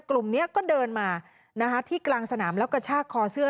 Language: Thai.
กลุ่มนี้ก็เดินมาที่กลางสนามแล้วกระชากคอเสื้อ